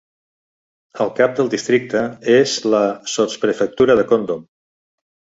El cap del districte és la sotsprefectura de Condom.